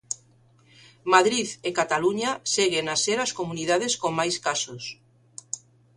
Madrid e Cataluña seguen a ser as comunidades con máis casos.